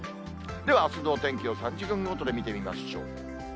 では、あすのお天気を３時間ごとに見てみましょう。